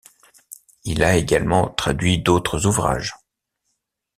Il a également traduit d'autres ouvrages.